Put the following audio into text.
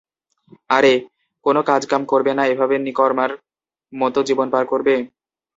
আরে, কোন কাজ কাম করবে না এভাবে নিকর্মার মতো জীবন পার করবে?